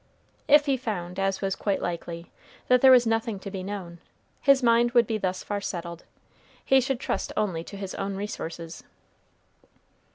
If he found, as was quite likely, that there was nothing to be known, his mind would be thus far settled, he should trust only to his own resources.